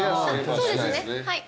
そうですねはい。